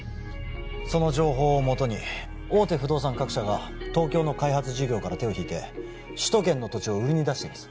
その情報を基に大手不動産各社が東京の開発事業から手を引いて首都圏の土地を売りに出しています